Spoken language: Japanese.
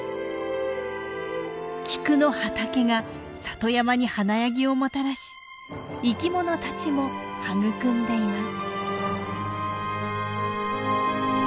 菊の畑が里山に華やぎをもたらし生きものたちも育んでいます。